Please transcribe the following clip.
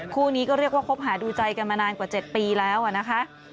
คู่นี้ก็เรียกว่าคบหาดูใจกันมานานกว่า๗ปีแล้วนะคะ